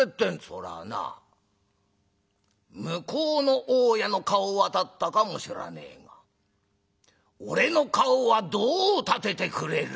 「そらぁな向こうの大家の顔は立ったかもしらねえが俺の顔はどう立ててくれる？」。